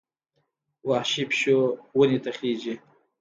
وحشي پیشو ونې ته خېژي.